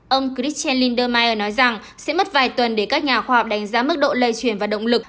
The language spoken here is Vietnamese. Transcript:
ông christian lindemeyer nói rằng sẽ mất vài tuần để các nhà khoa học đánh giá mức độ lây chuyển và động lực